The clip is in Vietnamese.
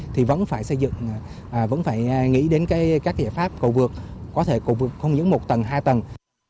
thì vẫn phải xây dựng vẫn phải nghĩ đến các giải pháp cầu vượt có thể cầu vượt không những một tầng hai tầng